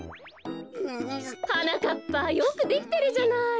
はなかっぱよくできてるじゃない。